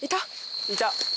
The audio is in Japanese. いた？